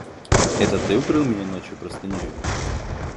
– Это ты укрыл меня ночью простынею?